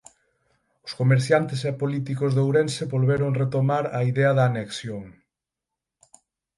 Os comerciantes e políticos de Ourense volveron retomar a idea da anexión.